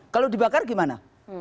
kalau dibakar gimana